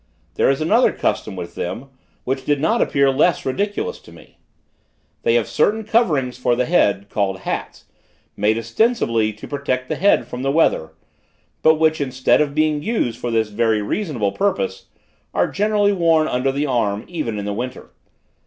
There is another custom with them, which did not appear less ridiculous to me. They have certain coverings for the head, called hats, made ostensibly, to protect the head from the weather, but which, instead of being used for this very reasonable purpose, are generally worn under the arm, even in the winter.